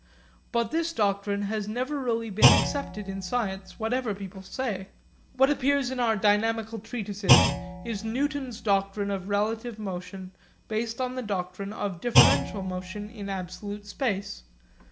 But this doctrine has never really been accepted in science, whatever people say. What appears in our dynamical treatises is Newton's doctrine of relative motion based on the doctrine of differential motion in absolute space.